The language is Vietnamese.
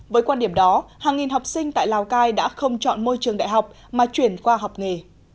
với quan điểm đó hàng nghìn học sinh tại lào cai đã không chọn môi trường đại học mà chuyển qua học nghề